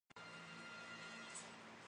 唐初从长清县中分出山荏县。